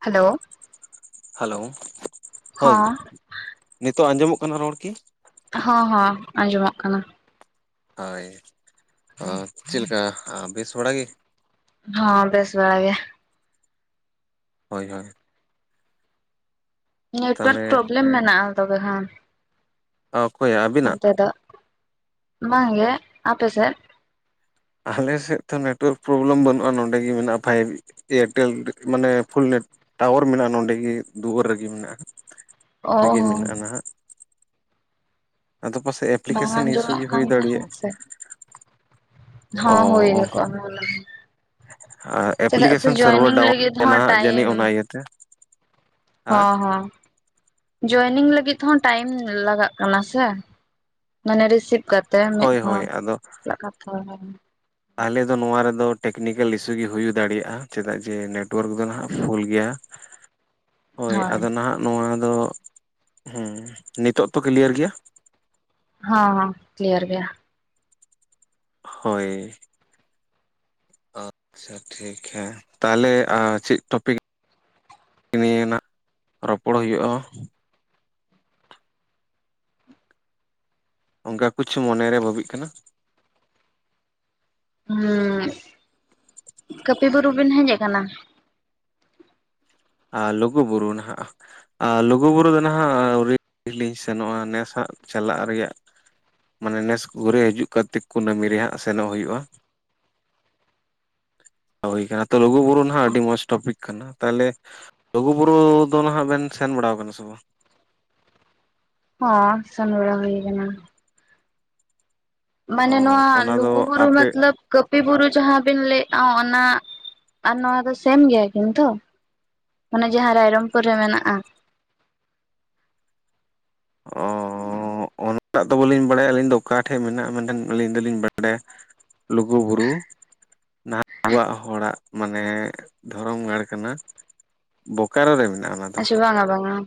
Hello hello ᱦᱳᱭ ᱦᱚᱸ ᱱᱤᱛᱚᱜ ᱟᱸᱡᱚᱢᱚᱜ ᱠᱟᱱᱟ ᱨᱚᱲ ᱠᱤ ᱦᱚᱸᱻᱦᱚᱸᱻ ᱟᱸᱡᱚᱢᱚᱜ ᱠᱟᱱᱟ ᱦᱳᱭ ᱪᱮᱫ ᱞᱮᱠᱟ ᱵᱮᱥ ᱵᱟᱲᱟᱜ ᱜᱮ ᱦᱚᱸᱻ ᱵᱮᱥ ᱵᱟᱲᱟ ᱜᱮ ᱦᱳᱭ ᱦᱳᱭ ᱱᱮᱴᱳᱣᱟᱨᱠ ᱛᱟᱦᱚᱞᱮ ᱯᱚᱨᱚᱵᱞᱮᱢ ᱢᱮᱱᱟᱜᱼᱟ᱾ ᱛᱚᱵᱮ ᱠᱷᱟᱱ ᱚᱠᱚᱭᱟᱜ ᱟᱹᱵᱤᱱᱟᱜ? ᱱᱚᱛᱮ ᱫᱚ ᱵᱟᱝ ᱜᱮ ᱟᱯᱮ ᱥᱮᱫ [unintelligible] ᱟᱞᱮᱥᱮᱫ ᱛᱚ ᱱᱮᱴᱣᱟᱨ ᱯᱚᱨᱚᱵᱞᱟᱢ ᱵᱟᱹᱱᱩᱜᱼᱟ ᱱᱚᱰᱮ ᱜᱮ ᱢᱮᱱᱟᱜᱼᱟ ᱯᱷᱟᱭᱤᱵ ᱮᱭᱟᱨᱴᱮᱞ ᱢᱟᱱᱮ ᱯᱷᱩᱞ ᱱᱮᱴ ᱴᱟᱣᱟᱨ ᱢᱮᱱᱟᱜᱼᱟ ᱱᱚᱸᱰᱮ ᱜᱤ ᱫᱩᱣᱟᱹᱨ ᱨᱮᱜᱮ ᱢᱮᱱᱟᱜᱼᱟ ᱚ ᱨᱤᱜᱤ ᱦᱚᱸ ᱢᱮᱱᱟᱜᱼᱟ ᱱᱟᱦᱟᱜ ᱟᱫᱚ ᱯᱟᱥᱮᱡ ᱵᱟᱝ ᱮᱯᱞᱤᱠᱮᱥᱚᱱ ᱤᱥᱩ ᱟᱸᱡᱚᱢᱚᱜ ᱜᱮ ᱠᱟᱱ ᱦᱩᱭ ᱫᱟᱲᱮᱭᱟᱜᱼᱟ ᱛᱟᱦᱮᱸᱫ ᱥᱮ ᱚ ᱦᱚᱸ ᱦᱩᱭ ᱠᱚᱜᱼᱟ ᱪᱮᱫᱟᱜ ᱥᱮ ᱮᱯᱞᱤᱠᱮᱥᱚᱱ ᱥᱟᱨᱵᱷᱟᱨ ᱡᱚᱭᱮᱱᱤᱝ ᱰᱟᱣᱩᱱ ᱞᱟᱹᱜᱤᱫ ᱦᱚᱸ [unintelligible] ᱡᱟᱹᱱᱤᱡ ᱚᱱᱟ ᱤᱭᱟᱹᱛᱮ ᱦᱮᱸ ᱦᱮᱸ ᱡᱚᱭᱮᱱᱤᱝ ᱞᱟᱹᱜᱤᱫ ᱛᱮ ᱦᱚᱸ ᱴᱟᱭᱤᱢ ᱞᱟᱜᱟᱜ ᱠᱟᱱᱟ ᱥᱮ ᱢᱟᱱᱮ ᱨᱤᱥᱤᱵ ᱠᱟᱛᱮ ᱛᱮ ᱢᱤᱫ ᱦᱳᱭ ᱦᱚᱲ ᱦᱳᱭ ᱟᱫᱚ ᱪᱮᱫ ᱠᱟᱛᱷᱟ ᱟᱞᱮ ᱫᱚ ᱱᱚᱣᱟ ᱨᱮᱫᱚ ᱴᱮᱠᱱᱤᱠᱮᱞ ᱤᱥᱩ ᱜᱮ ᱦᱩᱭ ᱫᱟᱲᱮᱭᱟᱜᱼᱟ ᱪᱮᱫᱟᱜ ᱡᱮ ᱱᱮᱴᱳᱣᱟᱨᱠ ᱫᱚ ᱱᱟᱦᱟᱜ ᱯᱷᱩᱞ ᱜᱮᱭᱟ [unintelligible] ᱦᱳᱭ ᱟᱫᱚ ᱱᱟᱦᱟᱜ ᱱᱚᱣᱟ ᱫᱚ ᱦᱮᱸ ᱱᱤᱛᱳᱜ ᱛᱚ ᱠᱞᱤᱭᱟᱨ ᱜᱮᱭᱟ ᱦᱚᱸ ᱠᱞᱤᱭᱟᱨ ᱜᱮᱭᱟ ᱦᱳᱭ ᱟᱪᱪᱷᱟ ᱴᱷᱤᱠ ᱦᱮᱸ ᱛᱟᱦᱚᱞᱮ ᱪᱮᱫ ᱴᱚᱯᱤᱠ ᱱᱤᱭ ᱱᱟᱜ ᱨᱚᱯᱚᱲ ᱦᱩᱭᱩᱜᱼᱟ ᱚᱱᱠᱟ ᱠᱩᱪᱷ ᱢᱚᱱᱮᱨᱮ ᱵᱷᱟᱹᱵᱤᱜ ᱠᱟᱱᱟ ᱦᱮᱸ ᱠᱟᱹᱯᱤ ᱵᱩᱨᱩ ᱵᱤᱱ ᱦᱮᱡ ᱟᱠᱟᱱᱟ ᱟᱨ ᱞᱩᱜᱩᱼᱵᱩᱨᱩ ᱱᱟᱦᱟᱜ ᱟᱨ ᱞᱩᱜᱩᱵᱩᱨᱩ ᱫᱚ ᱱᱟᱦᱟᱜ ᱟᱹᱣᱨᱤ ᱞᱤᱧ ᱥᱮᱱᱚᱜᱼᱟ ᱱᱮᱥᱦᱟᱜ ᱪᱟᱞᱟᱜ ᱨᱮᱭᱟᱜ ᱢᱟᱱᱮ ᱱᱮᱥ ᱜᱩᱨᱮ ᱦᱤᱡᱩᱜ ᱠᱟᱨᱛᱤᱠ ᱠᱩᱱᱟᱹᱢᱤ ᱨᱮ ᱦᱟᱸᱜ ᱥᱮᱱᱚᱜ ᱦᱩᱭᱩᱜᱼᱟ ᱦᱩᱭ ᱟᱠᱟᱱᱟ ᱛᱚ ᱞᱩᱜᱩᱵᱩᱨᱩ ᱱᱟᱦᱟᱜ ᱟᱹᱰᱤ ᱢᱚᱡᱽ ᱴᱚᱯᱤᱠ ᱠᱟᱱᱟ ᱛᱟᱦᱚᱞᱮ ᱞᱩᱜᱩ ᱵᱩᱨᱩ ᱫᱚ ᱱᱟᱦᱟᱜ ᱵᱮᱱ ᱥᱮᱱ ᱵᱟᱲᱟ ᱟᱠᱟᱱᱟ ᱥᱮ ᱵᱟᱝ ᱦᱚᱸ ᱥᱮᱱ ᱵᱟᱲᱟ ᱦᱩᱭ ᱟᱠᱟᱱᱟ ᱚ ᱢᱟᱱᱮ ᱱᱚᱣᱟ ᱚᱱᱟ ᱫᱚ ᱞᱩᱜᱩᱵᱩᱨᱩ ᱟᱯᱮ ᱢᱚᱛᱞᱚᱵ ᱠᱟᱹᱯᱤ ᱵᱩᱨᱩ ᱡᱟᱦᱟᱸ ᱵᱤᱱ ᱞᱟᱹᱭᱮᱫᱼᱟ ᱚᱱᱟ ᱟᱨ ᱱᱚᱣᱟ ᱫᱚ ᱥᱮᱢ ᱜᱮᱭᱟ ᱠᱤᱱ ᱛᱚ ᱚᱱᱮ ᱡᱟᱦᱟᱸ ᱨᱟᱭᱨᱚᱝᱯᱩᱨ ᱨᱮ ᱢᱮᱱᱟᱜᱼᱟ ᱚ ᱚᱱᱟᱴᱟᱜ ᱫᱚ ᱵᱟᱹᱞᱤᱧ ᱵᱟᱲᱟᱭᱟ ᱟᱹᱞᱤᱧ ᱫᱚ ᱚᱠᱟ ᱴᱷᱮᱡ ᱢᱮᱱᱟᱜᱼᱟ ᱢᱮᱱᱠᱷᱟᱱ ᱟᱹᱞᱤᱧ ᱫᱚᱞᱤᱧ ᱵᱟᱰᱟᱭᱟ ᱞᱩᱜᱩᱵᱩᱨᱩ ᱱᱟᱦᱟᱜ ᱟᱵᱚᱣᱟᱜ ᱦᱚᱲᱟᱜ ᱢᱟᱱᱮ ᱫᱷᱚᱨᱚᱢ ᱜᱟᱲ ᱠᱟᱱᱟ ᱵᱳᱠᱟᱨᱳ ᱨᱮ ᱢᱮᱱᱟᱜᱼᱟ ᱚᱱᱟ ᱫᱚ ᱟᱪᱪᱷᱟ ᱵᱟᱝ ᱵᱟᱝ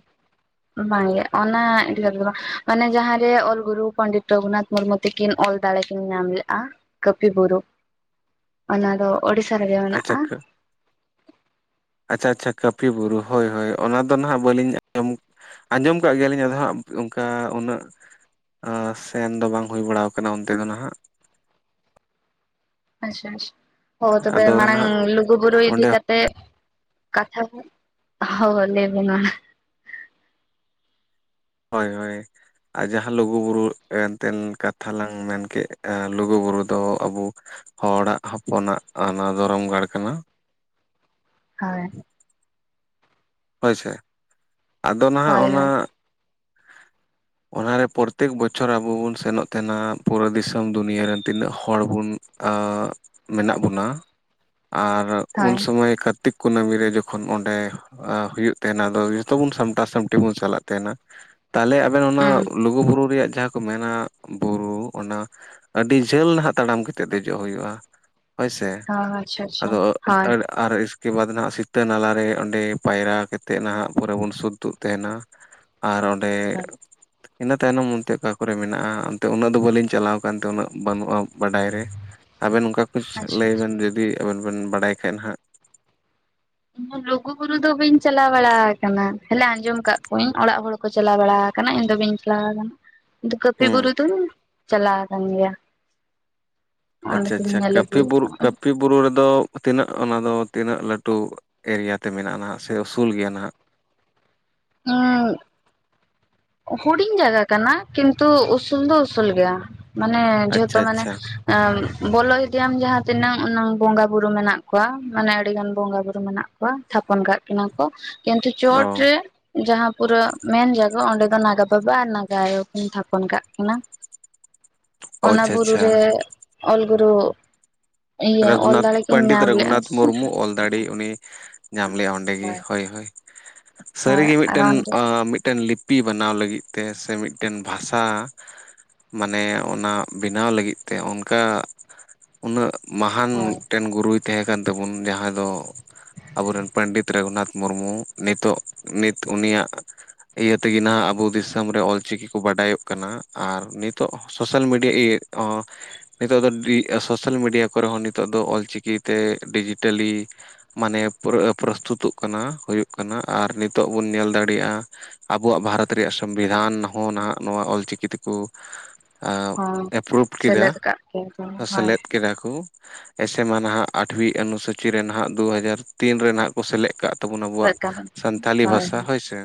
ᱵᱟᱝᱜᱮ ᱚᱱᱟ ᱤᱫᱤᱛᱮᱫ ᱵᱟᱝ ᱢᱟᱱᱮ ᱡᱟᱦᱟᱸᱨᱮ ᱚᱞ ᱜᱩᱨᱩ ᱯᱚᱱᱰᱤᱛ ᱨᱚᱜᱷᱩᱱᱟᱛᱷ ᱢᱩᱨᱢᱩ ᱛᱟᱹᱤᱠᱤᱱ ᱚᱞ ᱫᱟᱲᱮ ᱠᱤᱱ ᱧᱟᱢ ᱞᱮᱜᱼᱟ ᱠᱟᱹᱯᱤ ᱵᱩᱨᱩ ᱚᱱᱟ ᱫᱚ ᱚᱲᱤᱥᱟ ᱨᱮᱜᱮ ᱟᱪᱪᱷᱟ ᱢᱮᱱᱟᱜᱼᱟ ᱟᱪᱪᱷᱟ ᱟᱪᱪᱷᱟ ᱠᱟᱹᱯᱤ ᱵᱩᱨᱩ ᱦᱳᱭ ᱦᱳᱭ ᱚᱱᱟ ᱫᱚ ᱱᱟᱦᱟᱜ ᱵᱟᱹᱞᱤᱧ ᱟᱸᱡᱚᱢ ᱟᱸᱡᱚᱢ ᱠᱟᱜ ᱜᱮᱭᱟᱞᱤᱧ ᱟᱫᱚ ᱦᱟᱸᱜ ᱚᱱᱠᱟ ᱩᱱᱟᱹᱜ ᱥᱮᱱ ᱫᱚ ᱵᱟᱝ ᱦᱩᱭ ᱵᱟᱲᱟᱣ ᱠᱟᱱᱟ ᱚᱱᱛᱮ ᱫᱚ ᱱᱟᱦᱟᱜ ᱟᱪᱪᱷᱟ ᱟᱪᱪᱷᱟ ᱛᱚᱵᱮ ᱟᱫᱚ ᱢᱟᱲᱟᱝ ᱱᱟᱦᱟᱜ ᱞᱩᱜᱩ ᱵᱩᱨᱩ ᱫᱤ ᱚᱸᱰᱮ ᱛᱮ ᱠᱟᱛᱷᱟ ᱦ ᱞᱟᱹᱭᱵᱮᱱ ᱢᱟ [unintelligible] ᱦᱳᱭ ᱦᱳᱭ ᱟᱨ ᱡᱟᱦᱟᱸ ᱞᱩᱜᱩᱼᱵᱩᱨᱩ ᱮᱱᱛᱮᱫ ᱠᱟᱛᱷᱟ ᱞᱟᱝ ᱢᱮᱱ ᱠᱮᱫ ᱞᱩᱜᱩᱼᱵᱩᱨᱩ ᱫᱚ ᱟᱵᱚ ᱦᱚᱲᱟᱜ ᱦᱚᱯᱚᱱᱟᱜ ᱚᱱᱟ ᱫᱷᱚᱨᱚᱢᱜᱟᱲ ᱠᱟᱱᱟ ᱦᱳᱭ ᱦᱳᱭᱥᱮ ᱟᱫᱚ ᱱᱟᱦᱟᱜ ᱦᱳᱭ ᱚᱱᱟ ᱦᱳᱭ ᱚᱱᱟᱨᱮ ᱯᱚᱨᱛᱮᱠ ᱵᱚᱪᱷᱚᱨ ᱟᱵᱚ ᱵᱚᱱ ᱥᱮᱱᱚᱜ ᱛᱟᱦᱮᱱᱟ ᱯᱩᱨᱟᱹ ᱫᱤᱥᱚᱢ ᱫᱩᱱᱭᱟᱹ ᱨᱮᱱ ᱛᱤᱱᱟᱹᱜ ᱦᱚᱲ ᱵᱚᱱ ᱢᱮᱱᱟᱜ ᱵᱚᱱᱟ ᱟᱨ ᱦᱳᱭ ᱩᱱᱥᱚᱢᱟᱹᱭ ᱠᱟᱨᱛᱤᱠ ᱠᱩᱱᱟᱹᱢᱤ ᱨᱮ ᱡᱚᱠᱷᱚᱱ ᱚᱸᱰᱮ ᱦᱩᱭᱩᱜ ᱛᱟᱦᱮᱱᱟ ᱟᱫᱚ ᱡᱚᱛᱚ ᱵᱚᱱ ᱥᱟᱢᱴᱟᱣ ᱥᱟᱢᱴᱤ ᱵᱚᱱ ᱪᱟᱞᱟᱜ ᱛᱟᱦᱮᱱᱟ ᱛᱟᱦᱚᱞᱮ ᱟᱵᱮᱱ ᱚᱱᱟ ᱞᱩᱜᱩ ᱵᱩᱨᱩ ᱨᱮᱭᱟᱜ ᱡᱟᱦᱟᱸ ᱠᱚ ᱢᱮᱱᱟ ᱵᱩᱨᱩ ᱚᱱᱟ ᱟᱹᱰᱤ ᱡᱷᱟᱹᱞ ᱱᱟᱦᱟᱜ ᱛᱟᱲᱟᱢ ᱠᱟᱛᱮᱫ ᱫᱮᱡᱚᱜ ᱦᱩᱭᱩᱜᱼᱟ ᱦᱳᱭ ᱥᱮ ᱦᱳᱭ ᱟᱪᱪᱷᱟ ᱟᱪᱪᱷᱟ ᱦᱳᱭ ᱟᱫᱚ ᱦᱳᱭ ᱮᱴᱟᱜ ᱟᱨ ᱠᱮ ᱵᱟᱫ ᱱᱟᱦᱱᱟᱜ ᱥᱤᱛᱟᱹ ᱱᱟᱞᱟᱨᱮ ᱚᱸᱰᱮ ᱯᱟᱭᱨᱟ ᱠᱟᱛᱮᱫ ᱱᱟᱦᱟᱜ ᱯᱚᱨᱮ ᱵᱚᱱ ᱥᱩᱫᱽᱛᱩᱜ ᱛᱟᱦᱮᱱᱟ ᱟᱨ ᱚᱸᱰᱮ ᱟᱪᱪᱷᱟ ᱤᱱᱟᱹ ᱛᱟᱭᱱᱚᱢ ᱚᱱᱛᱮ ᱚᱠᱟ ᱠᱚᱨᱮ ᱢᱮᱱᱟᱜᱼᱟ ᱚᱱᱛᱮ ᱩᱱᱟᱹᱜ ᱫᱚ ᱵᱟᱹᱞᱤᱧ ᱪᱟᱞᱟᱣ ᱟᱠᱟᱱ ᱛᱮ ᱩᱱᱟᱹᱜ ᱵᱟᱹᱱᱩᱜᱼᱟ ᱵᱟᱰᱟᱭ ᱨᱮ ᱟᱵᱮᱱ ᱚᱱᱠᱟ [unintelligible] ᱟᱪᱪᱷᱟ ᱞᱟᱹᱭ ᱵᱮᱱ ᱡᱩᱫᱤ ᱟᱵᱮᱱ ᱵᱮᱱ ᱵᱟᱲᱟᱭ ᱠᱷᱟᱡ ᱦᱟᱸᱜ ᱤᱧ ᱞᱩᱜᱩ ᱵᱩᱨᱩ ᱫᱚ ᱵᱟᱹᱧ ᱪᱟᱞᱟᱣ ᱵᱟᱲᱟ ᱟᱠᱟᱱᱟ ᱠᱷᱟᱹᱞᱤ ᱟᱸᱡᱚᱢ ᱟᱠᱟᱫ ᱠᱚᱣᱟᱹᱧ ᱚᱲᱟᱜ ᱦᱚᱲ ᱠᱚ ᱪᱟᱞᱟᱣ ᱵᱟᱲᱟ ᱟᱠᱟᱱᱟ ᱤᱧ ᱫᱚ ᱵᱟᱹᱧ ᱪᱟᱞᱟᱣ ᱟᱠᱟᱱᱟ᱾ ᱠᱟᱹᱯᱤ ᱦᱩᱸ ᱵᱩᱨᱩ ᱫᱚᱧ ᱪᱟᱞᱟᱣ ᱟᱠᱟᱱ ᱜᱮᱭᱟ᱾ ᱚᱸᱰᱮ ᱟᱪᱪᱷᱟ ᱫᱚᱧ ᱟᱪᱪᱷᱟ᱾ ᱧᱮᱞ ᱠᱟᱯᱤ ᱟᱹᱜᱩ ᱵᱩᱨᱩ [unintelligible] ᱟᱠᱟᱜᱼᱟ ᱠᱟᱹᱯᱤ ᱵᱩᱨᱩ ᱨᱮᱫᱚ ᱛᱤᱱᱟᱹᱜ ᱚᱱᱟ ᱫᱚ ᱛᱤᱱᱟᱹᱜ ᱞᱟᱹᱴᱩ ᱮᱨᱤᱭᱟ ᱛᱮ ᱢᱮᱱᱟᱜᱼᱟ ᱦᱟᱸᱜ ᱥᱮ ᱩᱥᱩᱞ ᱜᱮᱭᱟ ᱦᱟᱸᱜ [unintelligible] ᱦᱩᱰᱤᱧ ᱡᱟᱭᱜᱟ ᱠᱟᱱᱟ ᱠᱤᱱᱛᱩ ᱩᱥᱩᱞ ᱫᱚ ᱩᱥᱩᱞ ᱜᱮᱭᱟ ᱢᱟᱱᱮ ᱡᱷᱚᱛᱚ ᱟᱪᱪᱷᱟ ᱢᱟᱱᱮ ᱟᱪᱪᱷᱟ ᱵᱚᱞᱚ ᱤᱫᱤᱜ ᱟᱢ ᱡᱟᱦᱟᱸ ᱛᱤᱱᱟᱹᱜ ᱩᱱᱟᱹᱜ ᱵᱚᱸᱜᱟ ᱵᱩᱨᱩ ᱢᱮᱱᱟᱜ ᱠᱚᱣᱟ ᱢᱟᱱᱮ ᱟᱹᱰᱤ ᱜᱟᱱ ᱵᱚᱸᱜᱟ ᱵᱩᱨᱩ ᱢᱮᱱᱟᱜ ᱠᱚᱣᱟ᱾ ᱛᱷᱟᱯᱚᱱ ᱠᱟᱜ ᱠᱤᱱᱟ ᱠᱚ ᱠᱤᱱᱛᱩ ᱚ ᱪᱚᱴ ᱨᱮ ᱡᱟᱦᱟᱸ ᱯᱩᱨᱟᱹ ᱢᱮᱱ ᱡᱟᱭᱜᱟ ᱚᱸᱰᱮ ᱫᱚ ᱱᱟᱜᱟ ᱵᱟᱵᱟ ᱟᱨ ᱱᱟᱜᱟ ᱟᱭᱳ ᱠᱤᱱ ᱛᱷᱟᱯᱚᱱ ᱟᱠᱟᱫ ᱠᱤᱱᱟ᱾ ᱚᱱᱟ ᱟᱪᱪᱷᱟ ᱵᱩᱨᱩ ᱟᱪᱪᱷᱟ ᱨᱮ [unintelligible] ᱚᱞᱜᱩᱨᱩ [unintelligible] ᱨᱚᱜᱷᱩᱱᱟᱛᱷ ᱯᱚᱱᱰᱤᱛ ᱨᱚᱜᱷᱩᱱᱟᱛᱷ ᱢᱩᱨᱢᱩ ᱚᱞ ᱫᱟᱲᱮ ᱩᱱᱤ ᱧᱟᱢ ᱞᱮᱫ-ᱟ ᱚᱸᱰᱮ ᱜᱮ ᱾ ᱦᱳᱭ ᱦᱳᱭ᱾ [unintelligible] ᱦᱳᱭ ᱥᱟᱹᱨᱤᱜᱮ ᱟᱨ ᱢᱤᱫᱴᱟᱝ, ᱚᱸᱰᱮ ᱢᱤᱫᱴᱟᱝ ᱞᱤ ᱯᱤ ᱵᱮᱱᱟᱣ ᱞᱟᱹᱜᱤᱫ ᱛᱮ ᱥᱮ ᱢᱤᱫᱴᱮᱱ ᱵᱷᱟᱥᱟ ᱢᱟᱱᱮ ᱚᱱᱟ ᱵᱮᱱᱟᱣ ᱞᱟᱹᱜᱤᱫ ᱛᱮ ᱚᱱᱠᱟ ᱩᱱᱟᱹᱜ ᱢᱟᱦᱟᱱ ᱢᱤᱫᱴᱮᱱ ᱜᱩᱨᱩᱭ ᱛᱟᱦᱮᱸ ᱠᱟᱱ ᱛᱟᱵᱚᱱ ᱡᱟᱦᱟᱸᱭ ᱫᱚ [unintelligible] ᱟᱵᱚᱨᱮᱱ ᱯᱚᱱᱰᱤᱛ ᱨᱚᱜᱷᱩᱱᱟᱛᱷ ᱢᱩᱨᱢᱩ ᱾ᱱᱤᱛᱚᱜ ᱱᱤᱛ ᱩᱱᱤᱭᱟᱜ ᱤᱭᱟᱹ ᱛᱮᱜᱮ ᱦᱟᱸᱜ ᱟᱵᱚ ᱫᱤᱥᱚᱢ ᱨᱮ ᱚᱞ ᱪᱤᱠᱤ ᱠᱚ ᱵᱟᱰᱟᱭᱚᱜ ᱠᱟᱱᱟ ᱟᱨ ᱱᱤᱛᱚᱜ ᱥᱳᱥᱟᱞ ᱢᱤᱰᱤᱭᱟ ᱤᱭᱟᱹ [unintelligible] ᱱᱤᱛᱚᱜ ᱫᱚ [unintelligible] ᱥᱳᱥᱟᱞ ᱢᱤᱰᱤᱭᱟ ᱠᱚᱨᱮ ᱦᱚᱸ ᱱᱤᱛᱚᱜ ᱫᱚ ᱚᱞᱪᱤᱠᱤ ᱛᱮ ᱰᱤᱡᱤᱴᱟᱞᱤ ᱢᱟᱱᱮ ᱯᱨᱚᱥᱛᱩᱛᱚᱜ ᱠᱟᱱᱟ ᱦᱩᱭᱩᱜ ᱠᱟᱱᱟ ᱟᱨ ᱱᱤᱛᱚᱜ ᱵᱚᱱ ᱧᱮᱞ ᱫᱟᱲᱮᱭᱟᱜᱼᱟ ᱟᱵᱚᱣᱟᱜ ᱵᱷᱟᱨᱚᱛ ᱨᱮᱭᱟᱜ ᱥᱚᱝᱵᱤᱫᱷᱟᱱ ᱦᱚᱸ ᱦᱟᱸᱜ ᱱᱚᱣᱟ ᱚᱞᱪᱤᱠᱤ ᱛᱮᱠᱚ ᱦᱚᱸ ᱮᱯᱨᱩᱵᱷ ᱠᱮᱫᱟ ᱥᱮᱞᱮᱫ ᱠᱟᱜ ᱠᱤᱱ ᱠᱚ ᱦᱳᱭ ᱥᱮᱞᱮᱫ ᱠᱮᱫᱟ ᱠᱚ᱾ ᱮᱥᱮᱢᱟ ᱱᱟᱦᱟᱜ ᱟᱴᱵᱷᱤ ᱚᱱᱩᱥᱩᱪᱤ ᱨᱮ ᱱᱟᱦᱟᱜ ᱫᱩ ᱦᱟᱡᱟᱨ ᱛᱤᱱ ᱨᱮ ᱱᱟᱦᱟᱜ ᱠᱚ ᱥᱮᱞᱮᱫ ᱟᱠᱟᱫ [unintelligible] ᱟᱵᱚᱣᱟᱜ ᱦᱳᱭ ᱥᱟᱱᱛᱟᱞᱤ ᱦᱳᱭ ᱵᱷᱟᱥᱟ ᱦᱳᱭᱥᱮ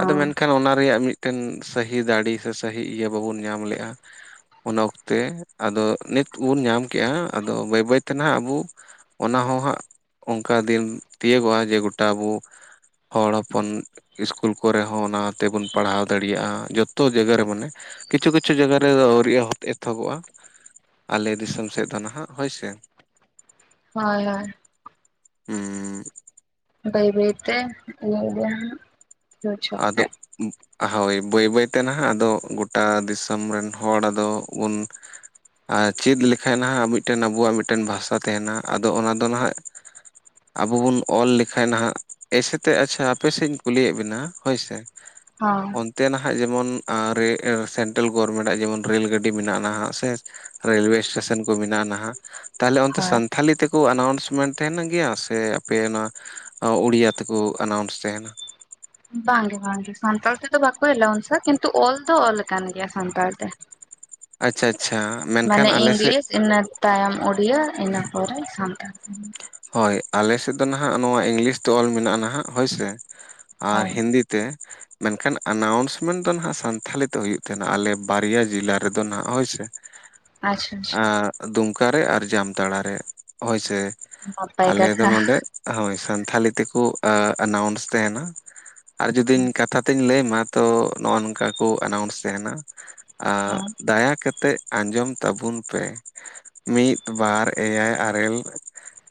ᱟᱫᱚ ᱢᱮᱱᱠᱷᱟᱱ ᱚᱱᱟ ᱨᱮᱭᱟᱜ ᱢᱤᱫ ᱢᱤᱫᱴᱮᱱ ᱥᱟᱹᱦᱤ ᱫᱟᱲᱮ ᱥᱮ ᱥᱟᱹᱦᱤ ᱤᱭᱟᱹ ᱵᱟᱵᱚᱱ ᱧᱟᱢ ᱞᱮᱫᱼᱟ᱾ ᱩᱱ ᱚᱠᱛᱮ ᱟᱫᱚ ᱱᱤᱛ ᱵᱚᱱ ᱧᱟᱢ ᱠᱮᱜᱼᱟ ᱟᱫᱚ ᱵᱟᱹᱭ ᱵᱟᱹᱭ ᱛᱮ ᱦᱟᱜ ᱟᱵᱚ ᱚᱱᱟ ᱦᱚᱸ ᱦᱟᱸᱜ ᱚᱱᱠᱟ ᱫᱤᱱ ᱛᱤᱭᱳᱜᱚᱜᱼᱟ ᱡᱮ ᱜᱚᱴᱟ ᱵᱚ ᱦᱚᱲ ᱦᱚᱯᱚᱱ ᱤᱥᱠᱩᱞ ᱠᱚᱨᱮ ᱦᱚᱸ ᱚᱱᱟ ᱛᱮᱵᱚᱱ ᱯᱟᱲᱦᱟᱣ ᱫᱟᱲᱮᱭᱟᱜᱼᱟ ᱾ ᱡᱚᱛᱚ ᱡᱟᱭᱜᱟ ᱨᱮ ᱢᱟᱱᱮ ᱠᱤᱪᱷᱩ ᱠᱤᱪᱷᱩ ᱡᱟᱭᱜᱟ ᱨᱮ ᱟᱹᱣᱨᱤ ᱮᱛᱚᱦᱚᱵᱚᱜᱼᱟ [unintelligible] ᱟᱞᱮ ᱫᱤᱥᱚᱢ ᱥᱮᱫ ᱫᱚ ᱱᱟᱦᱟᱜ ᱦᱳᱭ ᱥᱮ᱾ ᱦᱳᱭ ᱦᱳᱭ᱾ [unintelligible] ᱦᱮᱸ᱾ ᱵᱟᱹᱭ ᱵᱟᱹᱭᱛᱮ [unintelligible] ᱤᱭᱟᱹ ᱤᱫᱤ ᱦᱟᱸᱜ ᱟᱫᱚ [unintelligible] ᱦᱳᱭ ᱵᱟᱹᱭ ᱵᱟᱹᱭᱛᱮ ᱱᱟᱦᱟᱜ ᱟᱫᱚ ᱜᱳᱴᱟ ᱫᱤᱥᱚᱢ ᱨᱮᱱ ᱦᱚᱲ ᱟᱫᱚ ᱩᱱ ᱟᱨ ᱪᱮᱫ ᱞᱮᱠᱷᱟᱱ ᱦᱟᱸᱜ ᱢᱤᱫᱴᱮᱱ ᱟᱵᱚᱣᱟᱜ ᱢᱤᱫᱴᱮᱱ ᱵᱷᱟᱥᱟ ᱛᱟᱦᱮᱱᱟ ᱟᱫᱚ ᱚᱱᱟ ᱫᱚ ᱱᱟᱦᱟᱸᱜ ᱟᱵᱚ ᱵᱚᱱ ᱚᱞ ᱞᱮᱠᱷᱟᱱ ᱱᱟᱦᱟᱜ ᱮᱭᱥᱮ ᱛᱮ ᱟᱪᱪᱷᱟ ᱟᱯᱮ ᱥᱮᱫ ᱤᱧ ᱠᱩᱞᱤᱭᱮᱫ ᱵᱤᱱᱟ ᱦᱳᱭᱥᱮ ᱦᱩᱸ᱾ ᱛᱮ ᱱᱟᱦᱟᱜ ᱡᱮᱢᱚᱱ [unintelligible] ᱱᱟᱦᱟᱜ ᱡᱮᱢᱚᱱ ᱥᱮᱱᱴᱨᱟᱞ ᱜᱚᱵᱷᱚᱨᱢᱮᱱᱴ ᱟᱜ ᱡᱮᱢᱚᱱ ᱨᱮᱞ ᱜᱟᱹᱰᱤ ᱢᱮᱱᱟᱜᱼᱟ ᱱᱟᱦᱟᱜ ᱥᱮ ᱨᱮᱹᱞᱳᱣᱮ ᱥᱴᱮᱥᱚᱱ ᱠᱚ ᱢᱮᱱᱟᱜᱼᱟ ᱱᱟᱦᱟᱜ ᱛᱟᱦᱚᱞᱮ ᱚᱱᱛᱮ ᱦᱳᱭ ᱥᱟᱱᱛᱷᱟᱞᱤ ᱛᱮ ᱠᱚ ᱟᱱᱟᱣᱩᱱᱥᱢᱮᱱᱴ ᱛᱟᱦᱮᱱ ᱜᱮᱭᱟ ᱥᱮ ᱟᱯᱮ ᱚᱱᱟ ᱳᱲᱤᱭᱟᱹ ᱛᱮᱠᱚ ᱟᱱᱟᱣᱩᱱᱥ ᱛᱟᱸᱦᱮᱱ? ᱵᱟᱝᱜᱮ ᱵᱟᱝᱜᱮ ᱥᱟᱱᱛᱟᱲ ᱛᱮᱫᱚ ᱵᱟᱠᱚ ᱮᱞᱟᱣᱩᱱᱥᱟ ᱠᱤᱱᱛᱩ ᱚᱞ ᱫᱚ ᱚᱞ ᱟᱠᱟᱱ ᱜᱮᱭᱟ ᱥᱟᱱᱛᱟᱲ ᱛᱮ᱾ ᱟᱪᱪᱷᱟ ᱟᱪᱪᱷᱟ᱾ ᱢᱮᱱᱠᱷᱟᱱ ᱢᱟᱱᱮ ᱟᱞᱮ ᱥᱮᱫ ᱤᱝᱞᱤᱥ ᱤᱱᱟᱹ ᱛᱟᱭᱚᱢ ᱩᱲᱤᱭᱟᱹ ᱤᱱᱟᱹ ᱯᱚᱨᱮ ᱥᱟᱱᱛᱟᱲ ᱛᱮ᱾ ᱦᱳᱭ ᱟᱞᱮ ᱥᱮᱫ ᱫᱚ ᱱᱟᱦᱟᱜ ᱱᱚᱣᱟ ᱤᱝᱞᱤᱥ ᱛᱮ ᱚᱞ ᱢᱮᱱᱟᱜᱼᱟ ᱱᱟᱦᱟᱜ ᱦᱳᱭ ᱥᱮ ᱟᱨ ᱦᱳᱭ ᱦᱤᱱᱫᱤ ᱛᱮ ᱢᱮᱱᱠᱷᱟᱱ ᱟᱱᱟᱣᱩᱱᱥᱢᱮᱱ ᱫᱚ ᱱᱟᱦᱟᱜ ᱥᱟᱱᱛᱷᱟᱞᱤ ᱛᱮ ᱦᱩᱭᱩᱜ ᱛᱟᱦᱮᱱᱟ ᱟᱞᱮ ᱵᱟᱨᱭᱟ ᱡᱤᱞᱟ ᱨᱮᱫᱚ ᱱᱟᱦᱟᱜ ᱦᱳᱭᱥᱮ ᱟᱪᱪᱷᱟ ᱟᱪᱪᱷᱟ ᱟᱸ ᱫᱩᱢᱠᱟ ᱨᱮ ᱟᱨ ᱡᱟᱢᱛᱟᱲᱟ ᱨᱮ ᱦᱳᱭᱥᱮ ᱱᱟᱯᱟᱭ ᱟᱞᱮ ᱫᱚ ᱠᱟᱛᱷᱟ ᱱᱚᱰᱮ ᱦᱳᱭ ᱥᱟᱱᱛᱷᱟᱞᱤ ᱛᱮᱠᱚ ᱟᱹ ᱮᱱᱟᱣᱩᱱᱥ ᱛᱮᱦᱮᱱᱟ᱾ ᱟᱨ ᱡᱩᱫᱤᱧ ᱠᱟᱛᱷᱟ ᱛᱤᱧ ᱞᱟᱹᱭᱟᱢᱟ ᱛᱚ ᱱᱚᱜᱼᱚ ᱱᱚᱝᱠᱟ ᱠᱚ ᱮᱱᱟᱣᱩᱱᱥ ᱛᱮᱦᱮᱱᱟ ᱟ ᱦᱚᱸ ᱫᱟᱭᱟ ᱠᱟᱛᱮᱫ ᱟᱸᱡᱚᱢ ᱛᱟᱵᱚᱱ ᱯᱮ, ᱢᱤᱫ ᱵᱟᱨ ᱮᱭᱟᱭ ᱟᱨᱮᱞ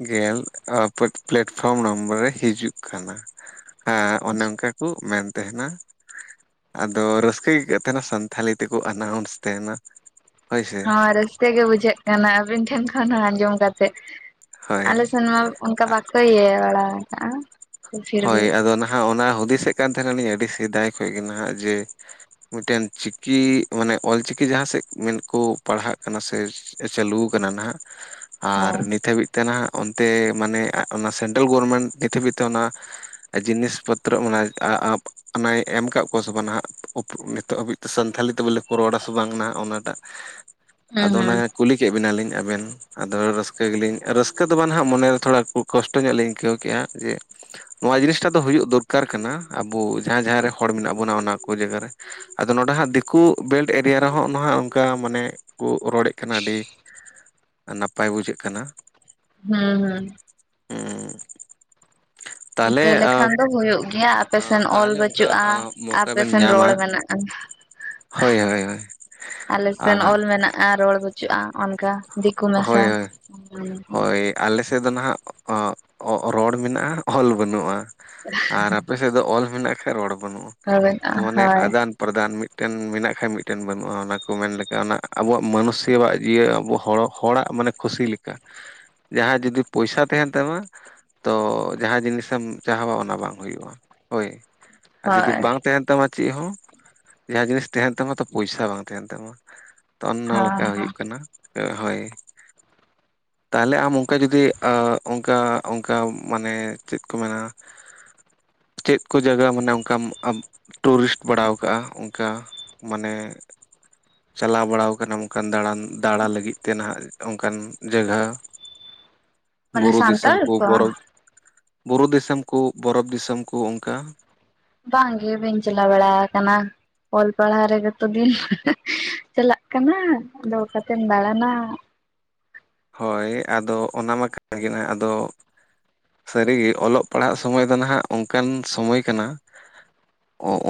ᱜᱮᱞ ᱯᱟᱹᱴ ᱯᱞᱟᱴᱯᱷᱨᱚᱢ ᱱᱚᱢᱵᱚᱨ ᱨᱮ ᱦᱤᱡᱩᱜ ᱠᱟᱱᱟ᱾ ᱦᱮᱸ ᱚᱱᱮ ᱟᱪᱪᱷᱟ ᱚᱝᱠᱟ ᱠᱩ ᱢᱮᱱ ᱛᱟᱦᱮᱱᱟ ᱟᱫᱚ ᱨᱟᱹᱥᱠᱟᱹ ᱟᱹᱭᱠᱟᱹᱜ ᱛᱟᱦᱮᱱᱟ ᱥᱟᱱᱛᱷᱟᱞᱤ ᱛᱮᱠᱚ ᱟᱱᱟᱣᱩᱱᱥ ᱛᱟᱦᱮᱱᱟ᱾ ᱦᱳᱭ ᱥᱮ ᱦᱚᱸ ᱨᱟᱹᱥᱠᱟᱹ ᱜᱮ ᱵᱩᱡᱷᱟᱹᱜ ᱠᱟᱱᱟ ᱟᱹᱵᱤᱱ ᱴᱷᱮᱱ ᱠᱷᱚᱱ ᱟᱸᱡᱚᱢ ᱠᱟᱛᱮᱫ, ᱦᱳᱭ ᱟᱞᱮ ᱥᱮᱱ ᱢᱟ ᱚᱱᱠᱟ ᱵᱟᱠᱚ ᱤᱭᱟᱹ ᱵᱟᱲᱟ ᱠᱟᱜᱼᱟ᱾ ᱦᱳᱭ ᱟᱫᱚ ᱱᱟᱦᱟᱜ ᱚᱱᱟ ᱦᱩᱫᱤᱥᱮᱜ ᱠᱟᱱ ᱛᱟᱦᱮᱱᱟᱹᱞᱤᱧ ᱟᱹᱰᱤ ᱥᱮᱫᱟᱭ ᱠᱷᱚᱡ ᱜᱮ ᱱᱟᱦᱟᱜ ᱡᱮ ᱢᱤᱫᱴᱮᱱ ᱪᱤᱠᱤ ᱢᱟᱱᱮ ᱚᱞᱪᱤᱠᱤ ᱡᱟᱦᱟᱸ ᱥᱮᱜ ᱢᱮᱱ ᱠᱚ ᱯᱟᱲᱦᱟᱜ ᱠᱟᱱᱟ ᱥᱮ ᱪᱟᱹᱞᱩ ᱠᱟᱱᱟ ᱱᱟᱦᱟᱜ ᱟᱨ ᱦᱩᱸ ᱱᱤᱛ ᱦᱟᱹᱵᱤᱡ ᱛᱮ ᱱᱟᱦᱟᱜ ᱚᱱᱛᱮ ᱢᱟᱱᱮ ᱟᱜ ᱚᱱᱟ ᱥᱮᱱᱴᱨᱟᱞ ᱜᱚᱨᱢᱮᱱᱴ ᱱᱤᱛ ᱦᱟᱹᱵᱤᱡ ᱛᱮ ᱚᱱᱟ ᱡᱤᱱᱤᱥ ᱯᱚᱛᱨᱚ ᱢᱟᱱᱮ ᱟᱼᱟᱵ ᱚᱱᱟᱭ ᱮᱢ ᱠᱟᱜ ᱠᱚᱣᱟ ᱥᱮ ᱵᱟᱝ ᱱᱟᱦᱟᱸᱜ [unintelligible] ᱱᱤᱛᱚᱜ ᱦᱟᱹᱵᱤᱡ ᱛᱮ ᱥᱟᱱᱛᱷᱟᱞᱤ ᱛᱮ ᱵᱚᱞᱮ ᱠᱚ ᱨᱚᱲᱟ ᱥᱮ ᱵᱟᱝ ᱱᱟᱜ ᱚᱱᱟᱴᱟᱜ ᱟᱫᱚ ᱚᱱᱟ ᱦᱩᱸ ᱠᱩᱞᱤ ᱠᱮᱜ ᱵᱮᱱᱟᱞᱤᱧ ᱟᱵᱮᱱ ᱟᱫᱚ ᱨᱟᱹᱥᱠᱟᱹ ᱜᱮᱞᱤᱧ ᱨᱟᱹᱥᱠᱟᱹ ᱫᱚ ᱵᱟᱸ ᱱᱟᱦᱟᱸᱜ ᱢᱚᱱᱮᱨᱮ ᱛᱷᱚᱲᱟ ᱠᱚ ᱠᱚᱥᱴᱚ ᱧᱚᱜ ᱞᱤᱧ ᱟᱹᱭᱠᱟᱹᱣ ᱠᱮᱜᱼᱟ ᱡᱮ ᱱᱚᱣᱟ ᱡᱤᱱᱤᱥᱴᱟ ᱫᱚ ᱦᱩᱭᱩᱜ ᱫᱚᱨᱠᱟᱨ ᱠᱟᱱᱟ ᱟᱵᱚ ᱡᱟᱦᱟᱸ ᱡᱟᱦᱟᱸ ᱨᱮ ᱦᱚᱲ ᱢᱮᱱᱟᱜ ᱵᱚᱱᱟ ᱚᱱᱟ ᱠᱚ ᱡᱟᱭᱜᱟ ᱨᱮ᱾ ᱟᱫᱚ ᱱᱚᱸᱰᱮ ᱦᱟᱸᱜ ᱫᱤᱠᱩ ᱵᱮᱞᱴ ᱮᱨᱤᱭᱟ ᱨᱮᱦᱚᱸᱜ ᱢᱟ ᱦᱟᱸᱜ ᱚᱝᱠᱟ ᱢᱟᱱᱮ ᱠᱚ ᱨᱚᱲᱮᱜ ᱠᱟᱱᱟ ᱟᱹᱰᱤ ᱱᱟᱯᱟᱭ ᱵᱩᱡᱷᱟᱹᱜ ᱠᱟᱱᱟ᱾ ᱦᱩᱸ ᱦᱩᱸ ᱦᱮᱸ ᱛᱟᱦᱚᱞᱮ ᱨᱤᱠᱟᱹ ᱞᱮᱠᱷᱟᱱ ᱫᱚ ᱦᱩᱭᱩᱜ ᱜᱮᱭᱟ ᱟᱯᱮᱥᱮᱱ ᱚᱞ ᱛᱟᱦᱚᱞᱮ ᱚᱱᱠᱟ ᱵᱟᱹᱪᱩᱜᱼᱟ ᱟ ᱢᱚᱠᱟ ᱵᱮᱱ ᱟᱯᱮᱥᱮᱱ ᱨᱚᱲ ᱧᱟᱢᱟ ᱢᱮᱱᱟᱜᱼᱟ ᱦᱳᱭ ᱦᱳᱭ ᱦᱳᱭ ᱟᱨ ᱟᱞᱮᱥᱱ ᱚᱞ ᱢᱮᱱᱟᱜᱼᱟ ᱨᱚᱲ ᱵᱟᱹᱪᱩᱜᱼᱟ ᱚᱱᱠᱟ ᱫᱤᱠᱩ ᱢᱮᱥᱟ ᱦᱳᱭ ᱦᱳᱭ ᱦᱳᱭ ᱟᱞᱮ ᱥᱮᱫ ᱫᱚ ᱱᱟᱦᱟᱜ ᱚᱸ ᱨᱚᱲ ᱢᱮᱱᱟᱜᱼᱟ ᱚᱞ ᱵᱟᱹᱱᱩᱜᱼᱟ ᱟᱨ ᱟᱯᱮ ᱫᱚ ᱚᱞ ᱢᱮᱱᱟᱜ ᱠᱷᱟᱜ ᱨᱚᱲ ᱵᱟᱹᱱᱩᱜᱼᱟ ᱢᱟᱱᱮ ᱦᱳᱭ ᱟᱫᱟᱱ ᱯᱨᱚᱫᱟᱱ ᱢᱤᱫᱴᱮᱱ ᱢᱮᱱᱟᱜ ᱠᱷᱟᱱ ᱢᱤᱫᱴᱮᱱ ᱵᱟᱹᱱᱩᱜᱼᱟ ᱚᱱᱟ ᱠᱚ ᱢᱮᱱ ᱞᱮᱠᱟ ᱚᱱᱟ ᱟᱵᱚᱣᱟᱜ ᱢᱟᱹᱱᱩᱥᱣᱟᱜ ᱡᱤᱭᱟᱹ ᱟᱵᱚ ᱦᱚᱲ ᱦᱚᱲᱟᱜ ᱢᱟᱱᱮ ᱠᱷᱩᱥᱤ ᱞᱮᱠᱟ ᱡᱟᱦᱟᱸ ᱡᱩᱫᱤ ᱯᱚᱭᱥᱟ ᱛᱟᱦᱮᱱ ᱛᱟᱢᱟ ᱛᱚ ᱡᱟᱦᱟᱸ ᱡᱤᱱᱤᱥᱮᱢ ᱪᱟᱦᱟᱣᱟ ᱚᱱᱟ ᱵᱟᱝ ᱦᱩᱭᱩᱜᱼᱟ, ᱦᱳᱭ ᱟᱨ ᱡᱩᱫᱤ ᱦᱳᱭ ᱵᱟᱝ ᱛᱟᱦᱮᱱ ᱛᱟᱢᱟ ᱪᱮᱫ ᱦᱚᱸ ᱡᱟᱦᱟᱸ ᱡᱤᱱᱤᱥ ᱛᱟᱦᱮᱱ ᱛᱟᱢᱟ ᱛᱚ ᱯᱚᱭᱥᱟ ᱵᱟᱝ ᱛᱟᱦᱮᱱ ᱛᱟᱢᱟ᱾ ᱚᱱᱱᱚ ᱞᱮᱠᱟ ᱦᱚᱸ ᱦᱩᱭᱩᱜ ᱠᱟᱱᱟ ᱦᱳᱭ ᱛᱟᱦᱚᱞᱮ ᱟᱢ ᱚᱱᱠᱟ ᱡᱩᱫᱤ ᱟ ᱚᱱᱠᱟ ᱚᱱᱠᱟ ᱢᱟᱱᱮ ᱪᱮᱫ ᱠᱚ ᱢᱮᱱᱟ ᱪᱮᱫ ᱠᱚ ᱡᱟᱜᱟ ᱢᱟᱱᱮ ᱚᱱᱠᱟᱢ ᱟᱢ ᱴᱩᱨᱤᱥᱴ ᱵᱟᱲᱟᱣ ᱠᱟᱜᱼᱟ ᱚᱝᱠᱟ ᱢᱟᱱᱮ ᱪᱟᱞᱟᱣ ᱵᱟᱲᱟᱣ ᱠᱟᱱᱟᱢ ᱠᱟᱱ ᱫᱟᱬᱟᱱ ᱫᱟᱬᱟ ᱞᱟᱹᱜᱤᱫ ᱛᱮ ᱱᱟᱦᱟᱜ ᱚᱱᱠᱟᱱ ᱡᱟᱹᱜᱷᱟ ᱢᱟᱱᱮ ᱵᱩᱨᱩ ᱫᱤᱥᱚᱢ ᱥᱟᱱᱛᱟᱲ ᱠᱩ ᱠᱚ ᱵᱚᱨᱚ ᱵᱩᱨᱩ ᱫᱤᱥᱚᱢ ᱠᱩ ᱵᱚᱨᱚᱯᱷ ᱫᱤᱥᱚᱢ ᱠᱩ ᱚᱱᱠᱟ ᱵᱟᱝ ᱜᱮ ᱵᱟᱹᱧ ᱪᱟᱞᱟᱣ ᱵᱟᱲᱟ ᱠᱟᱱᱟ᱾ ᱚᱞ ᱯᱟᱲᱦᱟᱣ ᱨᱮᱜᱮ ᱛᱚ ᱫᱤᱱ ᱪᱟᱞᱟᱜ ᱠᱟᱱᱟ, ᱟᱫᱚ ᱚᱠᱟᱛᱮᱢ ᱫᱟᱬᱟᱱᱟ ᱦᱳᱭ ᱟᱫᱚ ᱚᱱᱟ ᱢᱟ ᱠᱟᱱ ᱜᱮ ᱱᱟᱜ ᱟᱫᱚ ᱥᱟᱹᱨᱤᱜᱮ ᱚᱞᱚᱜ ᱯᱟᱲᱦᱟᱜ ᱥᱚᱢᱚᱭ ᱫᱚ ᱱᱟᱦᱟᱜ ᱚᱱᱠᱟᱱ ᱥᱚᱢᱚᱭ ᱠᱟᱱᱟ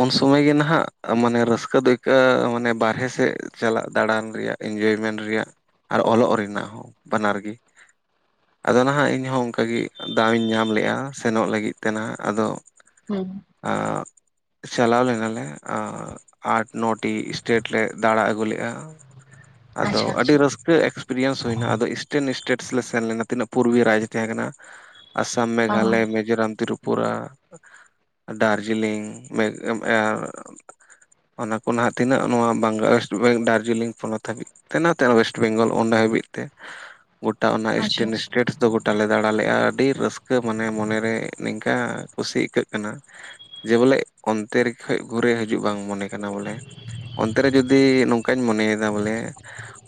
ᱩᱱ ᱥᱚᱢᱚᱭ ᱜᱮ ᱱᱟᱦᱟᱜ ᱢᱟᱱᱮ ᱨᱟᱹᱥᱠᱟᱹ ᱫᱚ ᱟ. ᱭᱠᱟᱹᱜ-ᱟ ᱢᱟᱱᱮ ᱵᱟᱨᱦᱮ ᱥᱮᱫ ᱪᱟᱞᱟᱜ ᱫᱟᱬᱟᱱ ᱨᱮᱭᱟᱜ ᱤᱱᱡᱚᱭ ᱢᱮᱱᱴ ᱨᱮᱭᱟᱜ ᱟᱨ ᱚᱞᱚᱜ ᱨᱮᱱᱟᱜ ᱦᱚᱸ ᱵᱟᱱᱟᱨ ᱜᱮ ᱟᱫᱚ ᱱᱟᱦᱟᱜ ᱤᱧ ᱦᱚᱸ ᱚᱱᱠᱟ ᱜᱮ ᱫᱟᱣ ᱤᱧ ᱧᱟᱢ ᱞᱮᱜᱼᱟ ᱥᱮᱱᱚᱜ ᱞᱟᱹᱜᱤᱫ ᱛᱮ ᱱᱟᱦᱟᱜ ᱟᱫᱚ [unintelligible] [unintelligible] ᱪᱟᱞᱟᱣ ᱞᱮᱱᱟ ᱞᱮ ᱟᱴ ᱱᱚ ᱴᱤ ᱮᱥᱴᱮᱴ ᱞᱮ ᱫᱟᱬᱟ ᱟᱹᱜᱩ ᱞᱮᱫᱼᱟ᱾ ᱟᱫᱚ ᱟᱪᱪᱷᱟ ᱟᱹᱰᱤ ᱟᱪᱪᱷᱟ ᱨᱟᱹᱥᱠᱟᱹ ᱮᱠᱥᱯᱤᱨᱤᱭᱮᱱᱥ ᱦᱩᱭ-ᱱᱟ ᱤᱥᱴᱮᱱ ᱮᱥᱴᱮᱴ ᱞᱮ ᱥᱮᱱ ᱞᱮᱱᱟ ᱛᱤᱱᱟᱹᱜ ᱯᱩᱨᱟᱹ ᱨᱟᱡᱽ ᱛᱟᱦᱮᱸ ᱠᱟᱱᱟ ᱟᱥᱟᱢ, ᱚ ᱢᱮᱜᱷᱟᱞᱚᱭ, ᱢᱮᱡᱳᱨᱟᱢ, ᱛᱨᱤᱯᱩᱨ ᱯᱩᱨᱟ ᱫᱟᱨᱡᱤᱞᱤᱝ ᱚᱱᱟ ᱠᱚ ᱱᱟᱦᱟᱜ ᱛᱤᱱᱟᱹᱜ ᱱᱚᱣᱟ ᱵᱟᱝᱞᱟ ᱚᱭᱮᱥᱴ ᱵᱮᱝᱜᱚᱞ ᱫᱟᱨᱡᱤᱞᱤᱝ ᱯᱚᱱᱚᱛ ᱦᱟᱹᱵᱤᱡ ᱛᱮᱱᱟᱜ ᱛᱮ ᱚᱭᱮᱥᱴ ᱵᱮᱝᱜᱚᱞ ᱚᱸᱰᱮ ᱦᱟᱹᱵᱤᱡ ᱛᱮ ᱜᱚᱴᱟ ᱚᱱᱟ ᱟᱪᱪᱷᱟ ᱤᱥᱴᱮᱱ ᱟᱪᱪᱷᱟ ᱮᱥᱴᱮᱴ ᱫᱚ ᱜᱚᱴᱟᱞ ᱞᱮ ᱫᱟᱬᱟ ᱞᱮᱜᱼᱟ ᱟᱹᱰᱤ ᱨᱟᱹᱥᱠᱟᱹ ᱢᱟᱱᱮ ᱢᱚᱱᱮ ᱨᱮ ᱱᱤᱝᱠᱟ ᱠᱩᱥᱤ ᱟᱹᱭᱠᱟᱹᱜ ᱠᱟᱱᱟ ᱡᱮ ᱵᱚᱞᱮ ᱚᱱᱛᱮ ᱨᱮ ᱠᱷᱚᱡ ᱜᱷᱩᱨᱮ ᱦᱤᱡᱩᱜ ᱵᱟᱝ ᱢᱚᱱᱮ ᱠᱟᱱᱟ ᱵᱚᱞᱮ ᱚᱱᱛᱮ ᱨᱮ ᱡᱩᱫᱤ ᱱᱚᱝ ᱠᱟᱧ ᱢᱚᱱᱮ ᱭᱮᱫᱟ ᱵᱚᱞᱮ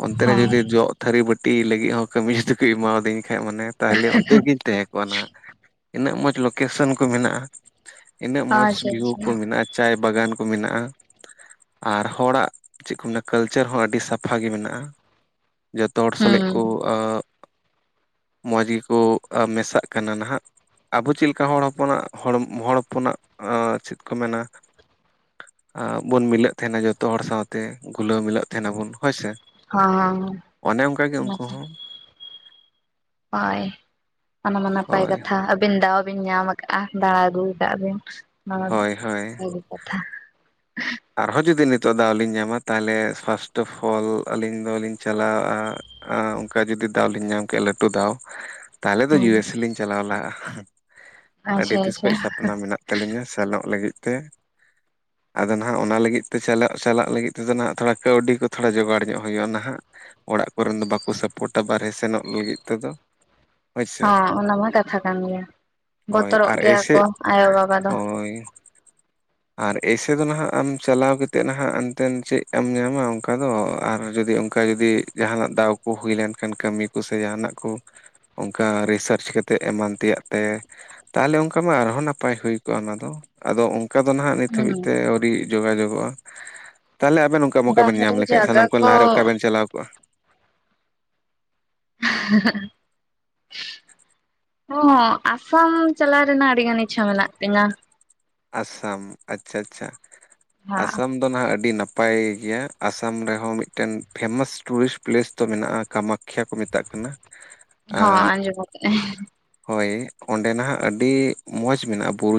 ᱚᱱᱛᱮ ᱨᱮ ᱚ ᱡᱩᱫᱤ ᱡᱚᱜ ᱛᱷᱟᱹᱨᱤ ᱵᱟᱹᱴᱤ ᱞᱟᱹᱜᱤᱫ ᱦᱚᱸ ᱠᱟᱹᱢᱤ ᱡᱩᱫᱤ ᱠᱚ ᱮᱢᱟᱫᱤᱧ ᱠᱷᱟᱡ ᱢᱟᱱᱮ ᱛᱟᱦᱚᱞᱮ ᱚᱱᱛᱮ ᱜᱤᱧ ᱛᱟᱦᱮᱸ ᱠᱚᱜ ᱟ ᱦᱟᱸᱜ ᱾ ᱛᱤᱱᱟᱹᱜ ᱢᱚᱸᱡᱽ ᱞᱳᱠᱮᱥᱚᱱ ᱠᱚ ᱢᱮᱱᱟᱜᱼᱟ ᱤᱱᱟᱹᱜ ᱢᱚᱸᱡᱽ ᱟᱪᱪᱷᱟ ᱵᱷᱤᱭᱩ ᱟᱪᱪᱷᱟ ᱠᱚ ᱢᱮᱱᱟᱜᱼᱟ ᱪᱟᱭ ᱵᱟᱜᱟᱱ ᱠᱚ ᱢᱮᱱᱟᱜᱼᱟ ᱟᱨ ᱦᱚᱲᱟᱜ ᱪᱮᱫ ᱠᱚ ᱢᱮᱱᱟ ᱠᱟᱞᱱᱪᱟᱨ ᱦᱚᱸ ᱟᱹᱰᱤ ᱥᱟᱯᱷᱟ ᱜᱮ ᱢᱮᱱᱟᱜᱼᱟ ᱡᱚᱛᱚ ᱦᱚᱲ ᱥᱟᱞᱮᱜ ᱦᱩᱸ ᱠᱚ ᱢᱚᱡᱽ ᱜᱮᱠᱚ ᱢᱮᱥᱟᱜ ᱠᱟᱱᱟ ᱱᱟᱦᱟᱜ ᱟᱵᱚ ᱪᱮᱫ ᱞᱮᱠᱟ ᱦᱚᱲ ᱦᱚᱯᱚᱱᱟᱜ ᱦᱚᱲ ᱦᱚᱲ ᱦᱚᱯᱚᱱᱟᱜ ᱪᱮᱫ ᱠᱚ ᱢᱮᱱᱟ ᱵᱚᱱ ᱢᱤᱞᱟᱹᱜ ᱛᱟᱦᱮ ᱱᱟ ᱡᱚᱛᱚ ᱦᱚᱲ ᱥᱟᱶᱛᱮ ᱜᱩᱞᱟᱹᱣ ᱢᱤᱞᱟᱹᱜ ᱛᱟᱦᱮ ᱱᱟ ᱵᱚᱱ ᱦᱳᱭ ᱥᱮ [unintelligible] ᱚᱱᱮ ᱚᱱᱠᱟ ᱜᱮ ᱩᱱᱠᱩ ᱦᱚᱸ ᱦᱳᱭ ᱚᱱᱟᱢᱟ ᱱᱟᱯᱟᱭ ᱦᱳᱭ ᱠᱟᱛᱷᱟ ᱟᱹᱵᱮᱱ ᱫᱟᱣ ᱵᱮᱱ ᱧᱟᱢ ᱟᱨ ᱫᱟᱬᱟ ᱟᱹᱜᱩ ᱠᱟᱜ ᱵᱮᱱ ᱱᱚᱣᱟ ᱦᱳᱭ ᱦᱳᱭ ᱢᱟ ᱵᱷᱟᱹᱜᱤ ᱠᱟᱛᱷᱟ ᱟᱨᱦᱚᱸ ᱡᱩᱫᱤ ᱱᱤᱛᱚᱜ ᱫᱟᱣ ᱞᱤᱧ ᱧᱟᱢᱟ ᱛᱟᱦᱚᱞᱮ ᱯᱷᱟᱥᱴᱚ ᱯᱷᱚᱞ ᱟᱹᱞᱤᱧ ᱫᱚᱞᱤᱧ ᱪᱟᱞᱟᱜᱼᱟ ᱟᱻ ᱾ ᱚᱱᱠᱟ ᱡᱩᱫᱤ ᱫᱟᱣ ᱞᱤᱧ ᱧᱟᱢ ᱠᱮᱭᱟ ᱞᱟᱹᱴᱩ ᱫᱟᱣ ᱛᱟᱞᱮ ᱫᱚ ᱤᱭᱩ ᱦᱩᱸ ᱮᱥ ᱞᱤᱧ ᱪᱟᱞᱟᱣ ᱞᱟᱦᱟᱜᱼᱟ ᱾ ᱟᱹᱰᱤ ᱟᱪᱪᱷᱟ ᱛᱤᱥ ᱟᱪᱪᱷᱟ ᱠᱷᱚᱱ ᱥᱟᱯᱱᱟ ᱢᱮᱱᱟᱜ ᱛᱟᱹᱞᱤᱧᱟ ᱥᱮᱱᱚᱜ ᱞᱟᱹᱜᱤᱫ ᱛᱮ ᱟᱫᱚ ᱚᱱᱟ ᱞᱟᱹᱜᱤᱫ ᱛᱮ ᱪᱟᱞᱟᱜ ᱪᱟᱞᱟᱜ ᱞᱟᱹᱜᱤᱫ ᱛᱮᱫᱚ ᱱᱟᱦᱟᱜ ᱛᱷᱚᱲᱟ ᱠᱟᱹᱣᱰᱤ ᱠᱚ ᱛᱷᱚᱲᱟ ᱡᱳᱚᱜᱟᱲ ᱧᱚᱜ ᱦᱩᱭᱩᱜᱼᱟ ᱱᱟᱦᱟᱜ ᱚᱲᱟᱜ ᱠᱚᱨᱮᱱ ᱫᱚ ᱵᱟᱠᱚ ᱥᱟᱯᱚᱴ-ᱟ ᱵᱟᱨᱦᱮ ᱥᱮᱱᱚᱜ ᱞᱟᱹᱜᱤᱫ ᱛᱮᱫᱚ ᱦᱳᱭ ᱥᱮ ᱦᱚᱸ ᱚᱱᱟ ᱢᱟ ᱠᱟᱛᱷᱟ ᱠᱟᱱ ᱜᱮᱭᱟ ᱦᱳᱭ ᱵᱚᱛᱚᱨᱚᱜ ᱟᱨ ᱜᱮᱭᱟ ᱮᱭᱥᱮ ᱠᱚ ᱟᱭᱳᱼᱵᱟᱵᱟ ᱫᱚ ᱦᱳᱭ ᱟᱨ ᱮᱥᱮ ᱫᱚ ᱱᱟᱦᱟᱜ ᱟᱢ ᱪᱟᱞᱟᱣ ᱠᱟᱛᱮᱫ ᱱᱟᱦᱟᱜ ᱮᱱᱛᱮ ᱪᱮᱫ ᱮᱢ ᱧᱟᱢᱟ ᱚᱱᱠᱟ ᱫᱚ ᱟᱨ ᱡᱩᱫᱤ ᱚᱱᱠᱟ ᱡᱩᱫᱤ ᱡᱟᱦᱟ ᱱᱟᱜ ᱫᱟᱣ ᱠᱚ ᱦᱩᱭ ᱞᱮᱱᱠᱷᱟᱱ ᱠᱟᱹᱢᱤ ᱠᱚᱥᱮ ᱡᱟᱦᱟᱱᱟᱜ ᱠᱚ ᱚᱱᱠᱟ ᱨᱤᱥᱟᱨᱪ ᱠᱟᱛᱮᱫ ᱮᱢᱟᱱ ᱛᱮᱭᱟᱜ ᱛᱮ ᱛᱟᱦᱚᱞᱮ ᱚᱱᱠᱟ ᱢᱟ ᱟᱨᱦᱚᱸ ᱱᱟᱯᱟᱭ ᱦᱩᱭ ᱠᱚᱜᱼᱟ ᱚᱱᱟᱫᱚ ᱾ ᱟᱫᱚ ᱚᱱᱠᱟ ᱫᱚ ᱱᱟᱦᱟᱜ ᱱᱤᱛ ᱦᱩᱸ ᱦᱟᱹᱵᱤᱡ ᱛᱮ ᱟᱹᱣᱨᱤ ᱡᱳᱜᱟ ᱡᱳᱜᱚᱜᱼᱟ ᱛᱟᱦᱚᱞᱮ ᱟᱵᱮᱱ ᱠᱟᱹᱴᱤ ᱠᱚᱵᱮᱱ ᱧᱟᱢ ᱵᱟᱦᱨᱮ ᱞᱮᱠᱷᱟᱡ ᱡᱟᱭᱜᱟ ᱥᱟᱱᱟᱢ ᱠᱷᱚᱱ ᱠᱚ ᱞᱟᱦᱟ ᱨᱮ ᱚᱠᱟ ᱵᱮᱱ ᱪᱟᱞᱟᱣ ᱠᱚᱜᱼᱟ [unintelligible] ᱦᱳ ᱟᱥᱟᱢ ᱪᱟᱞᱟᱣ ᱨᱮᱱᱟᱜ ᱟᱹᱰᱤ ᱜᱟᱱ ᱤᱪᱪᱷᱟᱹ ᱢᱮᱱᱟᱜ ᱛᱤᱧᱟᱹ ᱟᱥᱟᱢ, ᱟᱪᱪᱷᱟ ᱟᱪᱪᱷᱟ ᱾ ᱦᱮᱸ ᱟᱥᱟᱢ ᱫᱚ ᱱᱟᱦᱟᱜ ᱟᱹᱰᱤ ᱱᱟᱯ ᱱᱟᱯᱟᱭ ᱜᱮᱭᱟ ᱾ ᱟᱥᱟᱢ ᱨᱮᱦᱚᱸ ᱢᱤᱫᱴᱮᱱ ᱯᱷᱮᱢᱟᱥ ᱴᱩᱨᱤᱥᱴ ᱯᱞᱮᱥ ᱫᱚ ᱢᱮᱱᱟᱜᱼᱟ ᱠᱟᱢᱟᱠᱠᱷᱟ ᱠᱚ ᱢᱮᱛᱟᱜ ᱠᱟᱱᱟ [inaudible] ᱦᱚᱸ ᱟᱸᱡᱚᱢ ᱠᱟᱜ ᱤᱧ ᱦᱳᱭ ᱚᱸᱰᱮ ᱱᱟᱦᱟᱜ ᱟᱹᱰᱤ ᱢᱚᱸᱡᱽ ᱢᱮᱱᱟᱜᱼᱟ ᱵᱩᱨᱩ